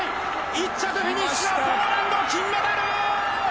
１着フィニッシュはポーランド金メダル！